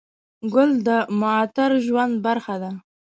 ګل د معطر ژوند برخه ده.